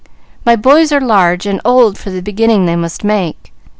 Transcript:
My boys are large, and old for the beginning they must make.